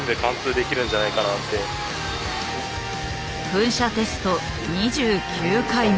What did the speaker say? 噴射テスト２９回目。